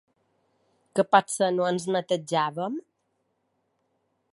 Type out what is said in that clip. Que potser no ens netejàvem?